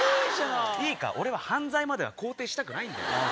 俺は犯罪までは肯定したくないんだよ。